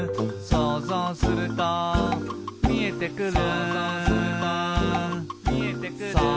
「そうぞうするとみえてくる」